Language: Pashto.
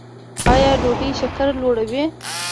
ایا ډوډۍ شکر لوړوي؟